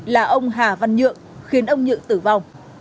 là ông hà văn nhượng khiến ông nhự tử vong